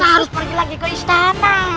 harus pergi lagi ke istana